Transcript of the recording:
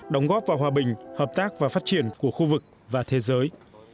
đóng góp vào hòa bình hợp tác và phát triển của khu vực và thế giới